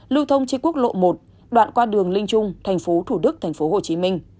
lưu thông trên quốc lộ một đoạn qua đường linh trung tp thủ đức tp hcm